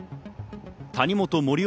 谷本盛雄